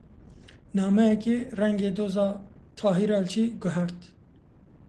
Nameyekê rengê doza Tahir Elçî guhert.